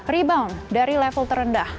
rebound dari level tertinggi